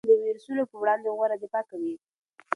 روغتیايي لارښوونې د ویروسونو په وړاندې غوره دفاع ده.